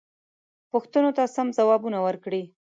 پوښتنو ته سم ځوابونه ورکړئ.